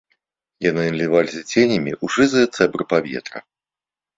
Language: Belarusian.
Яны наліваліся ценямі ў шызыя цэбры паветра.